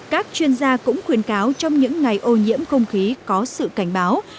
các chuyên gia cũng khuyên cáo trong những ngày ô nhiễm không khí có sự cảnh báo